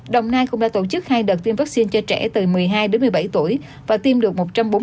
đồng nai cũng đã tổ chức hai đợt tiêm vaccine cho trẻ từ một mươi hai một mươi bảy tuổi và tiêm được một trăm bốn mươi chín bảy trăm bảy mươi một